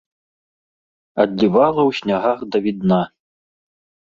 Адлівала ў снягах давідна.